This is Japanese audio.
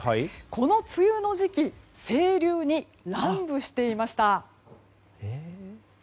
この梅雨の時期清流に乱舞していました。